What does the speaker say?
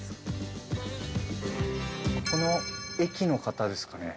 この駅の方ですかね？